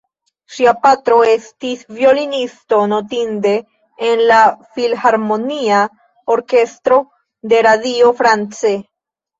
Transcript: Ŝia patro, estis violonisto notinde en la filharmonia orkestro de Radio France.